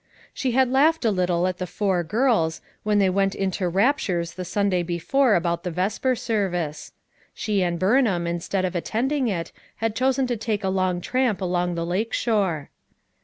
She had laughed a little at the "Four Girls" when they went into raptures the Sunday be fore about the vesper service. She and Burn ham instead of attending it had chosen to take a long tramp along the lake shore.